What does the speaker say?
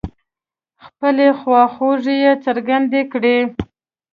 خپلې خواخوږۍ يې څرګندې کړې.